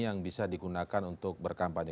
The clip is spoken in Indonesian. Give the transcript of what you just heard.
yang bisa digunakan untuk berkampanye